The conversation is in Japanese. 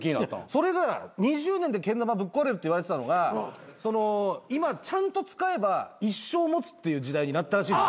それが２０年でけん玉ぶっ壊れるって言われてたのが今ちゃんと使えば一生持つっていう時代になったらしい。